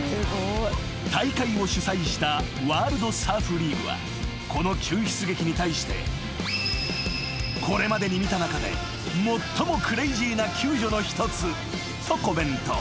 ［大会を主催したワールド・サーフ・リーグはこの救出劇に対してこれまでに見た中で最もクレイジーな救助の一つとコメント］